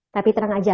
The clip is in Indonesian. tapi tenang aja